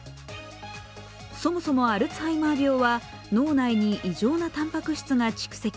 そもそもアルツハイマー病は脳内に異常なたんぱく質が蓄積。